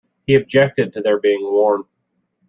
He objected to their being worn.